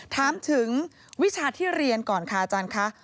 ถามถึงวิชาที่เรียนก่อนค่ะอาจารย์คะ